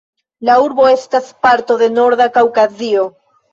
La urbo estas parto de Norda Kaŭkazio.